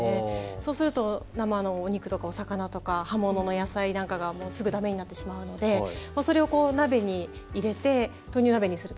そうすると、生のお肉とかお魚葉物の野菜なんかがすぐだめになってしまうのでそれを鍋に入れて豆乳鍋にする。